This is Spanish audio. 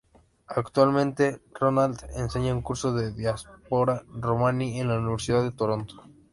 Actualmente, Ronald enseña un curso de Diáspora Romaní en la Universidad de Toronto.